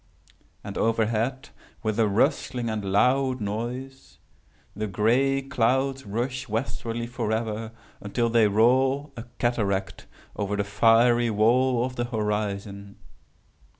And overhead, with a rustling and loud noise, the gray clouds rush westwardly forever, until they roll, a cataract, over the fiery wall of the horizon.